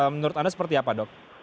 menurut anda seperti apa dok